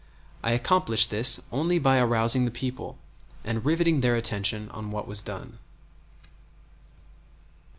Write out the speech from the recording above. I accomplished this only by arousing the people, and riveting their attention on what was done.